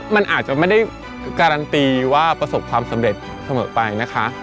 มันอาจจะไม่ได้การันตีว่าประสบความสำเร็จเสมอไปนะคะ